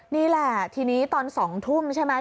นี่แหละทีนี้ตอน๒ทุ่มใช่ไหม